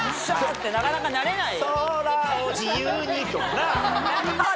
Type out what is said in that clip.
ってなかなかなれない。とかな。